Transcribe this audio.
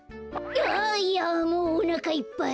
あいやもうおなかいっぱい。